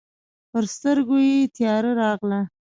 پر سترګو يې تياره راغله.